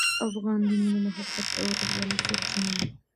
افغان د مینې، محبت او ورورولۍ سرچینه ده.